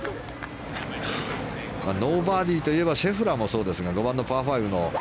ノーバーディーといえばシェフラーもそうですが５番のパー５の。